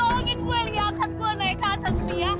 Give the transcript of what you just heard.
lu juga gak bisa nek